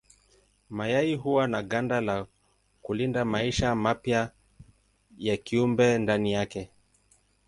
Mayai huwa na ganda ya kulinda maisha mapya ya kiumbe ndani yake.